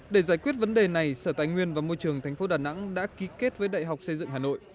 để giải quyết vấn đề này sở tài nguyên và môi trường tp đà nẵng đã ký kết với đại học xây dựng hà nội